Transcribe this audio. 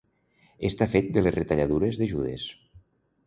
Estar fet de les retalladures de Judes.